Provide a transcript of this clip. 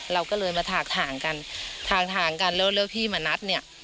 เราก็เลยมาถากถ่างกันถากถ่างกันแล้วเลือกพี่มานัดเนี่ย